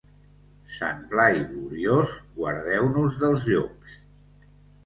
Sant Blai gloriós, guardeu-nos dels llops.